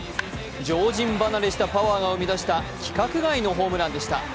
常人離れしたパワーが生み出した規格外のホームランでした。